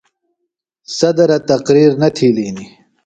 صدرہ تقریر نہ تِھیلیۡ ہِنیۡ۔